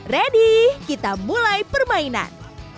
ready kita mulai permainan